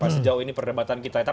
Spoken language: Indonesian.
sejauh ini perdebatan kita